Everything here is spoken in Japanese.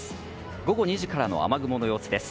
午後２時からの雨雲の様子です。